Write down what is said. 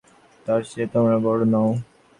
তার চেয়ে তোমরা বড় নও।